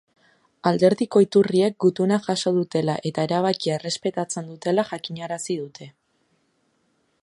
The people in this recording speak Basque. Alderdiko iturriek gutuna jaso dutela eta erabakia errespetatzen dutela jakinarazi dute.